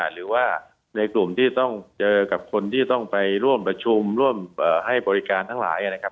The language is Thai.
หรือว่าในกลุ่มที่ต้องเจอกับคนที่ต้องไปร่วมประชุมร่วมให้บริการทั้งหลายนะครับ